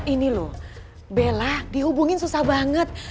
ini loh bella dihubungin susah banget